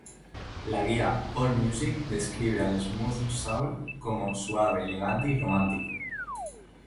La guía "Allmusic" describe al smooth soul como "suave, elegante y romántico".